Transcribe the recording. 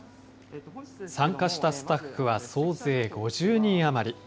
参加したスタッフは、総勢５０人余り。